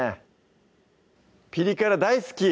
ピリ辛大好き！